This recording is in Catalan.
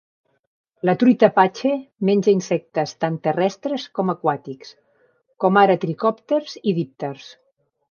La truita apache menja insectes tant terrestres com aquàtics, com ara tricòpters i dípters.